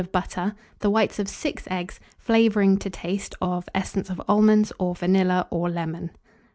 of butter, the whites of 6 eggs; flavouring to taste, of essence of almonds, or vanilla, or lemon.